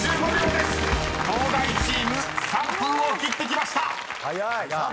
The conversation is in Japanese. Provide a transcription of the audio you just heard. ［東大チーム３分を切ってきました］